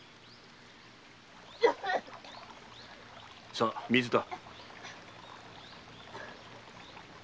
さあ水だ。